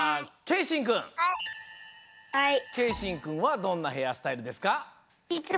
けいしんくんはどんなヘアスタイルですか？